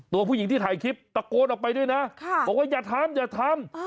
ตัวผู้หญิงที่ถ่ายคลิปตะโกนออกไปด้วยนะบอกว่าอย่าทำอย่าทำ